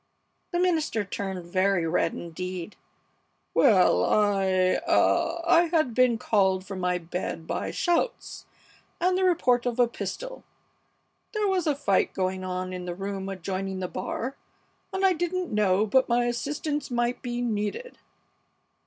The minister turned very red indeed. "Well, I ah I had been called from my bed by shouts and the report of a pistol. There was a fight going on in the room adjoining the bar, and I didn't know but my assistance might be needed!"